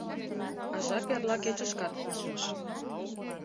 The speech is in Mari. А жап эрла кечышкат кусныш.